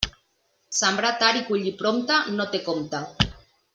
Sembrar tard i collir prompte, no té compte.